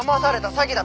詐欺だ！